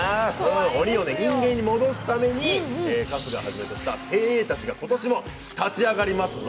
鬼を人間に戻すために春日をはじめとした精鋭たちが今年も立ち上がりますぞ。